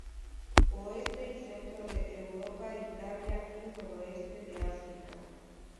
Oeste y centro de Europa, Italia y noroeste de África.